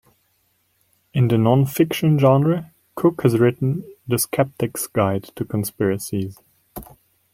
In the non-fiction genre, Cook has written "The Skeptic's Guide to Conspiracies".